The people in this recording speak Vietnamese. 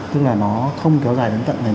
tức là nó không kéo dài đến tận ngày một mươi ba